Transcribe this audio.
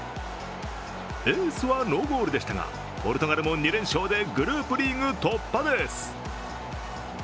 エースはノーゴールでしたがポルトガルも２連勝でグループリーグ突破です。